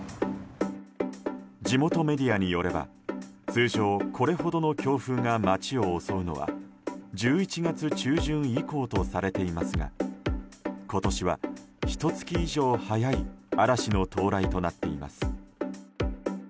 地元メディアによれば通常これほどの強風が街を襲うのは１１月中旬以降とされていますが今年は、ひと月以上早い嵐の到来となっています。